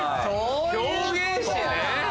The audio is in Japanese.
狂言師ね！